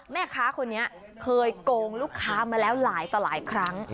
แม่ค้าคนนี้เคยโกงลูกค้ามาแล้วหลายต่อหลายครั้ง